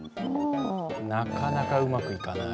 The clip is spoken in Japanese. なかなかうまくいかない。